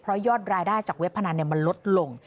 ยอดรายได้จากเว็บพนันมันลดลง